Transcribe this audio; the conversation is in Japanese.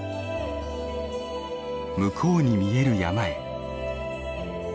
向こうに見える山へ。